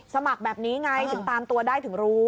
สมัครแบบนี้ไงถึงตามตัวได้ถึงรู้